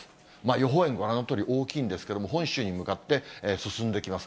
予報円、ご覧のとおり、大きいんですけれども、本州に向かって進んできます。